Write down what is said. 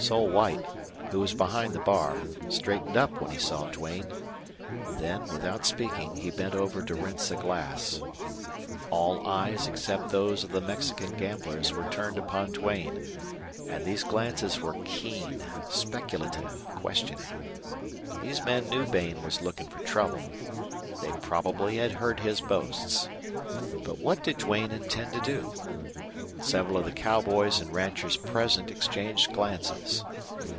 Sol White, who was behind the bar, straightened up when he saw Duane; then, without speaking, he bent over to rinse a glass. All eyes except those of the Mexican gamblers were turned upon Duane; and these glances were keen, speculative, questioning. These men knew Bain was looking for trouble; they probably had heard his boasts. But what did Duane intend to do? Several of the cowboys and ranchers present exchanged glances.